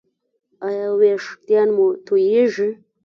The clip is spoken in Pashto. ایا ویښتان مو توییږي؟